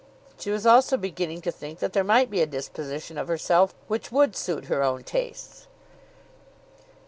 She was also beginning to think that there might be a disposition of herself which would suit her own tastes.